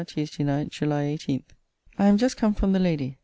TUESDAY NIGHT, JULY 18. I am just come from the lady.